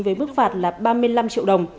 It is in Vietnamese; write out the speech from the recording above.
với chứng phạt là ba mươi năm triệu đồng